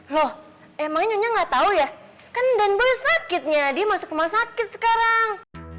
loh emang nyonya nggak tahu ya kan dan boleh sakitnya dia masuk rumah sakit sekarang